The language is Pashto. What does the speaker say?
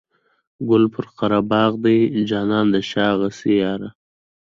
ګل پر قره باغ دی جانانه د شا غاسي یاره.